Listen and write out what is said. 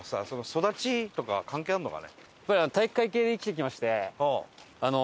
育ちとか関係あるのかね？